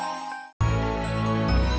kamu sudah selesai